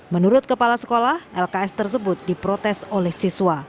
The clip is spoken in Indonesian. menurut kepala sekolah lks tersebut diprotes oleh siswa